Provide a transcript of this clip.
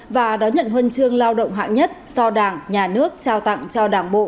và đón nhận huân chương lao động hạng nhất do đảng nhà nước trao tặng cho đảng bộ